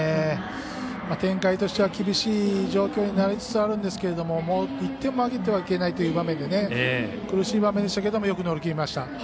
展開としては厳しい状況になりつつあるんですけどもう１点もあげてはいけないという場面で苦しい場面でしたけどよく乗り切りました。